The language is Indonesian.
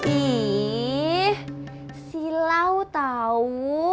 ih si lau tau